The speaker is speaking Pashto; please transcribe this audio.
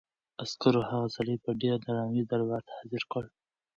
عسکرو هغه سړی په ډېر درناوي دربار ته حاضر کړ.